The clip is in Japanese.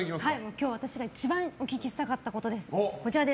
今日、私が一番お聞きしたかったことです。